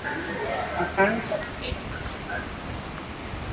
Akaanza maisha mapya pale mjini